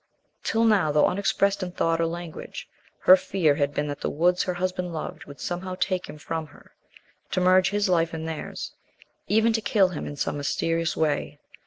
Till now, though unexpressed in thought or language, her fear had been that the woods her husband loved would somehow take him from her to merge his life in theirs even to kill him on some mysterious way.